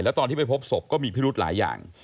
ตอนที่ไปพบศพก็มีพิรุธหลายอย่าง